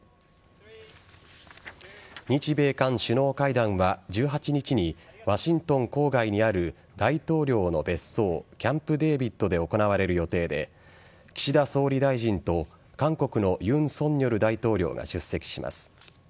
日米韓首脳会談は１８日にワシントン郊外にある大統領の別荘キャンプ・デービッドで行われる予定で岸田総理大臣と韓国の尹錫悦大統領が出席します。